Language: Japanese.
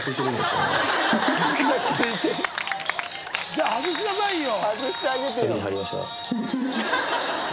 じゃあ外しなさいよ！